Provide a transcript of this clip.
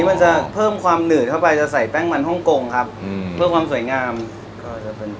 ซอสจะเป็นตัวเดียวที่คลุกกับเส้น